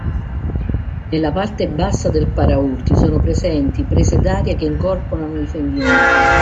Nella parte bassa del paraurti sono presenti prese d'aria che incorporano i fendinebbia.